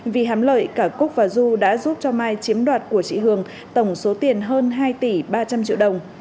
vì hám lợi cả cúc và du đã giúp cho mai chiếm đoạt của chị hường tổng số tiền hơn hai tỷ ba trăm linh triệu đồng